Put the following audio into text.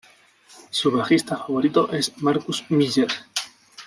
Su bajista favorito es Marcus Miller.